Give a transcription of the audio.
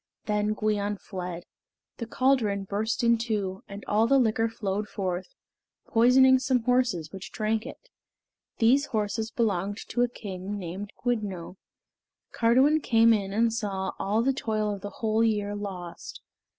Then Gwion fled. The caldron burst in two, and all the liquor flowed forth, poisoning some horses which drank it. These horses belonged to a king named Gwyddno. Cardiwen came in and saw all the toil of the whole year lost.